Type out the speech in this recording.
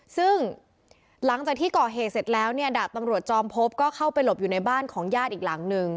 ซึ่งหลังจากที่ก่อเหตุเสร็จแล้วเนี่ยดาบตำรวจจอมพบก็เข้าไปหลบอยู่ในบ้านของญาติอีกหลังนึง